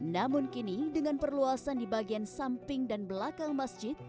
namun kini dengan perluasan di bagian samping dan belakang masjid